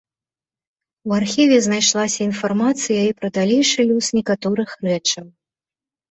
У архіве знайшлася інфармацыя і пра далейшы лёс некаторых рэчаў.